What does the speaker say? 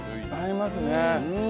合いますね。